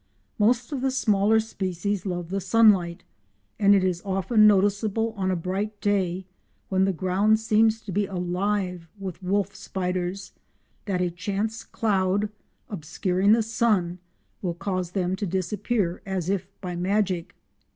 Most of the smaller species love the sunlight, and it is often noticeable on a bright day, when the ground seems to be alive with wolf spiders, that a chance cloud obscuring the sun will cause them to disappear as if by magic.